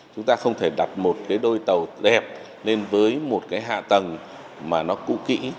chúng ta không thể đặt một cái đôi tàu đẹp lên với một cái hạ tầng mà nó cụ kỹ